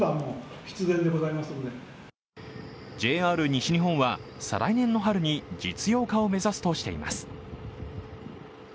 ＪＲ西日本は、再来年の春に実用化を目指すとしています。